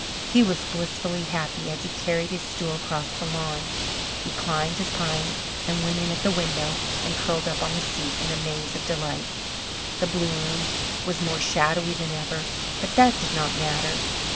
He was blissfully happy as he carried his stool across the lawn. He climbed his pine and went in at the window and curled up on the seat in a maze of delight. The blue room was more shadowy than ever but that did not matter.